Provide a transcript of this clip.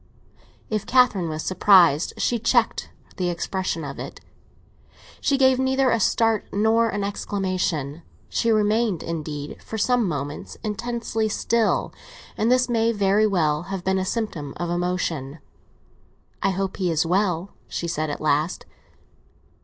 If Catherine was surprised, she checked the expression of it; she gave neither a start nor an exclamation. She remained, indeed, for some moments intensely still, and this may very well have been a symptom of emotion. "I hope he was well," she said at last.